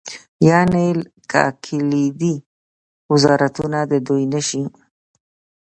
یعنې که کلیدي وزارتونه د دوی نه شي.